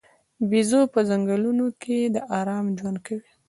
بیزو په ځنګلونو کې د آرام ژوند کوي.